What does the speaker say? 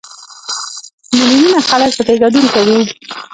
میلیونونه خلک پکې ګډون کوي.